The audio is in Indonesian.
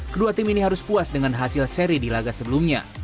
kedua tim ini harus puas dengan hasil seri di laga sebelumnya